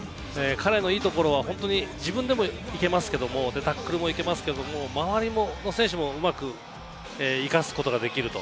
彼のいいところは本当に自分でもタックルいけますけれど、周りの選手もうまく生かすことができる。